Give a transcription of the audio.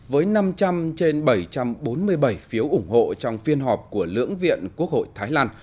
với năm trăm linh trên bảy trăm bốn mươi bảy phiếu ủng hộ trong phiên họp của lưỡng viện quốc hội thái lan